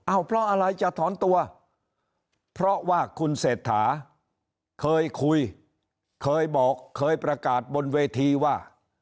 เพราะอะไรจะถอนตัวเพราะว่าคุณเศรษฐาเคยคุยเคยบอกเคยประกาศบนเวทีว่า